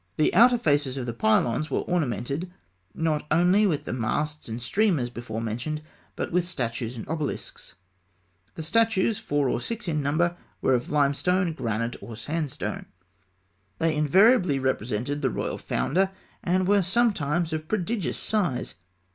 The outer faces of the pylons were ornamented, not only with the masts and streamers before mentioned, but with statues and obelisks. The statues, four or six in number, were of limestone, granite, or sandstone. They invariably represented the royal founder, and were sometimes of prodigious size.